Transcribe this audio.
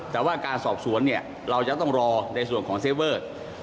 แต่ว่าการสอบสวนเนี่ยเราจะต้องรอในส่วนของเซเวอร์